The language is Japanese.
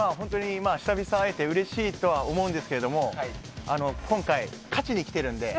久々に会えてうれしいとは思うんですけど今回、勝ちに来てるので。